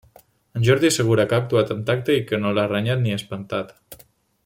En Jordi assegura que ha actuat amb tacte i que no l’ha renyat ni espantat.